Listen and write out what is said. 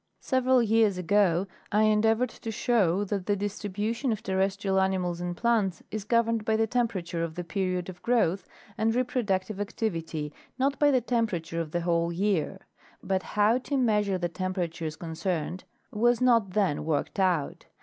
Several years ago I endeavored to show that the distribution of terrestrial animals and plants is governed by the temperature of the period of growth and reproductive activity, not by the temperature of the whole year; but how to measure the tem peratures concerned was not then worked out.